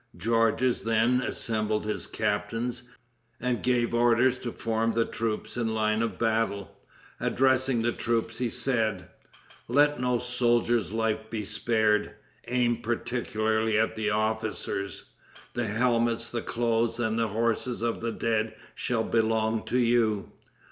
Georges then assembled his captains, and gave orders to form the troops in line of battle. Addressing the troops, he said: "Let no soldier's life be spared. Aim particularly at the officers. The helmets, the clothes and the horses of the dead shall belong to you.